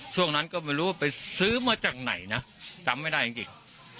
ช่วงนั้นก็ไม่รู้ว่าไปซื้อมาจากไหนนะจำไม่ได้จริง